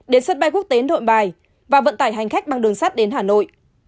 đến sân bay quốc tế nội bài và vận tải hành khách bằng đường sắt đến hà nội